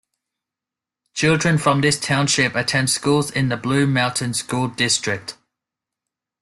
Children from this township attend schools in the Blue Mountain School District.